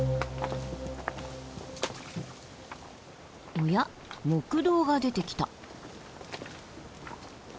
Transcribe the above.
おや木道が出てきた。